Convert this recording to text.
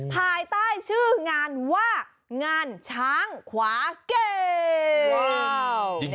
ภายใต้ชื่องานว่างานช้างขวาแก้ว